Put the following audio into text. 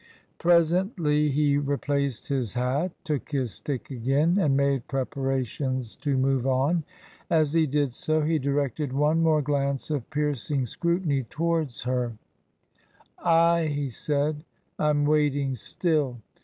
Presently he replaced his hat, took his stick again, and made preparations to move on. As he did so, he directed one more glance of piercing scrutiny towards her. TRANSITION. 47 ^* Ay," he said, " I'm waiting still.